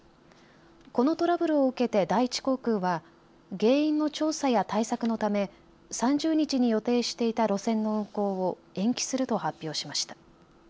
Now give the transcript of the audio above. このトラブルを受けて第一航空は原因の調査や対策のため３０日に予定していた路線の運航を延期すると発表しました。